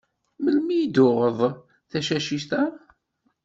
Melmi i d-tuɣeḍ tacacit-a?